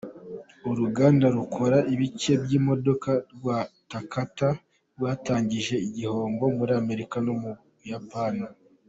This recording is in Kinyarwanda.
Uruganda rukora ibice by'imodoka rwa Takata rwatangaje igihombo muri Amerika no mu Buyapani.